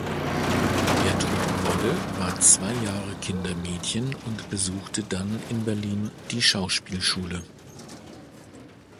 Gertrud Wolle war zwei Jahre Kindermädchen und besuchte dann in Berlin die Schauspielschule.